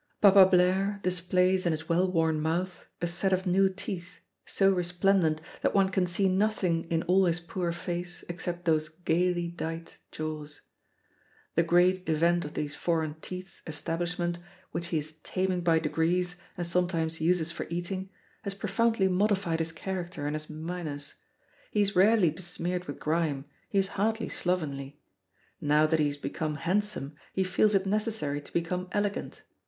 Papa Blaire displays in his well worn mouth a set of new teeth, so resplendent that one can see nothing in all his poor face except those gayly dight jaws. The great event of these foreign teeth's establishment, which he is taming by degrees and sometimes uses for eating, has profoundly modified his character and his manners. He is rarely besmeared with grime, he is hardly slovenly. Now that he has become handsome he feels it necessary to become elegant.